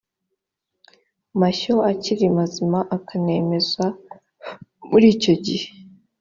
mashyo akiri mazima akanemeza muri icyo gihe